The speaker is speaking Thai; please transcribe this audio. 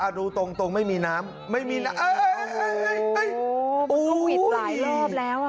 ดูตรงไม่มีน้ำไม่มีวิสารร้อนแล้วอ่ะค่ะ